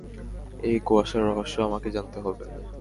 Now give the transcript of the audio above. এই কুয়াশার রহস্যও আমাকে জানতে হবে।